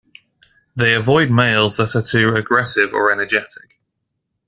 They avoid males that are too aggressive or energetic.